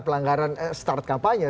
pelanggaran start kampanye